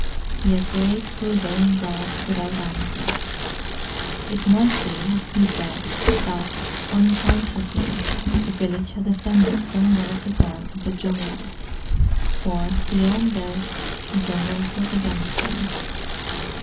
He had prayed to his own Gods without answer. It might be, he said, that, unconsciously, the village had offended some one of the Gods of the Jungle, for, beyond doubt, the Jungle was against them.